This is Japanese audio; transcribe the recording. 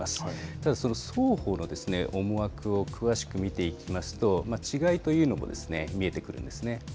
ただ、その双方の思惑を詳しく見ていきますと、違いというのも見えてくるんですね。